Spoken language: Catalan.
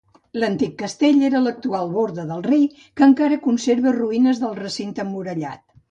L'antic castell era l'actual borda del Rei, que encara conserva ruïnes del recinte emmurallat.